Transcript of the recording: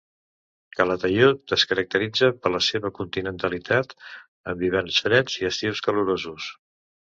Calatayud es caracteritza per la seva continentalitat, amb hiverns freds i estius calorosos.